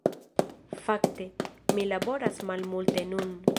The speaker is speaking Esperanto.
Fakte, mi laboras malmulte nun.